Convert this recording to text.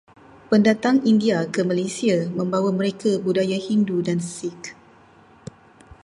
Pendatang India ke Malaysia membawa mereka budaya Hindu dan Sikh.